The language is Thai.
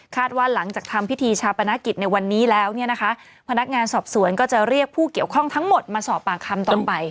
ว่าหลังจากทำพิธีชาปนกิจในวันนี้แล้วเนี่ยนะคะพนักงานสอบสวนก็จะเรียกผู้เกี่ยวข้องทั้งหมดมาสอบปากคำต่อไป